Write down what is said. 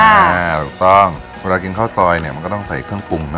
ถูกต้องเวลากินข้าวซอยเนี่ยมันก็ต้องใส่เครื่องปรุงนะ